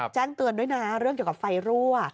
แจ้งเตือนด้วยนะเรื่องเกี่ยวกับไฟรั่ว